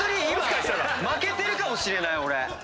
今負けてるかもしれない俺。